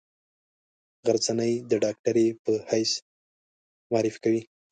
غرڅنۍ د ډاکټرې په حیث معرفي کوي.